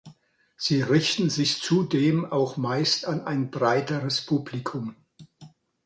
Sie richten sich zudem auch meist an ein breiteres Publikum.